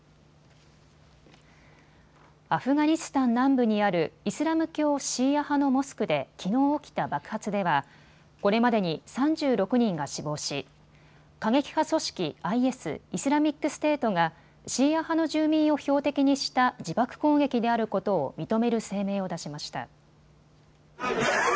アフガニスタン南部にあるイスラム教シーア派のモスクできのう起きた爆発ではこれまでに３６人が死亡し、過激派組織ＩＳ・イスラミックステートがシーア派の住民を標的にした自爆攻撃であることを認める声明を出しました。